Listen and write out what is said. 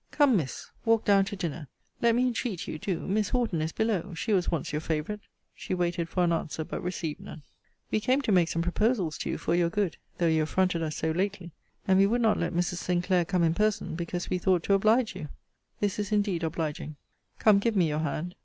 Come, Miss, walk down to dinner. Let me entreat you, do. Miss Horton is below: she was once your favourite. She waited for an answer: but received none. We came to make some proposals to you, for your good; though you affronted us so lately. And we would not let Mrs. Sinclair come in person, because we thought to oblige you. This is indeed obliging. Come, give me your hand.